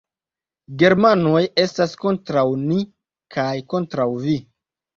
Germanoj estas kontraŭ ni kaj kontraŭ vi.